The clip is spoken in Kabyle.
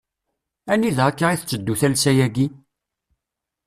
Anida akka i tetteddu talsa-agi.?